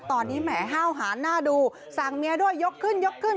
ตอนนี้แหมห้าวหานหน้าดูสั่งเมียด้วยยกขึ้นยกขึ้น